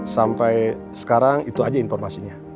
sampai sekarang itu aja informasinya